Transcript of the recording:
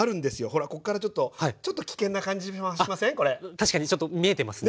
確かにちょっと見えてますね。